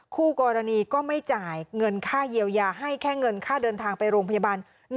คู่กรณีก็ไม่จ่ายเงินค่าเยียวยาให้แค่เงินค่าเดินทางไปโรงพยาบาล